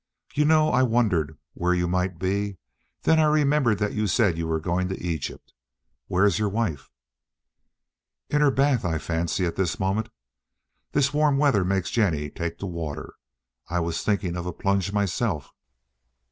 You know I wondered where you might be. Then I remembered that you said you were going to Egypt. Where is your wife?" "In her bath, I fancy, at this moment. This warm weather makes Jennie take to water. I was thinking of a plunge myself."